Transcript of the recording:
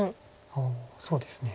ああそうですね